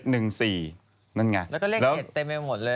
เนี่ยไงแล้วก็เล่น๗เต็มไปหมดเลยนะ